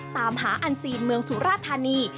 ตามหาอันซีนเมืองสุราธานี